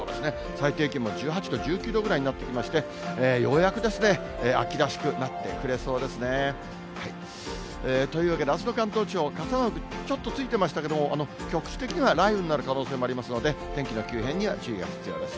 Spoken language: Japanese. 最低気温も１８度、１９度ぐらいになってきまして、ようやく秋らしくなってくれそうですね。というわけで、あすの関東地方、傘マーク、ちょっとついてましたけれども、局地的には雷雨になる可能性もありますので、天気の急変には注意が必要です。